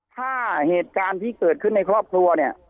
ถ้าเหตุการณ์ที่เกิดขึ้นในครอบครัวเนี่ย